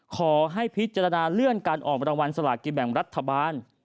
ขอให้พิจารณาเลื่อนการออกระวัลสหกิณแบบทุ่มรัฐธรรม